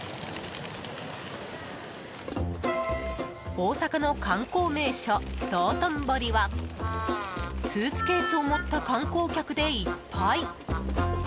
大阪の観光名所、道頓堀はスーツケースを持った観光客でいっぱい。